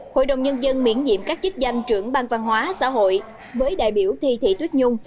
hội đồng nhân dân miễn nhiệm các chức danh trưởng bang văn hóa xã hội với đại biểu thi thị tuyết nhung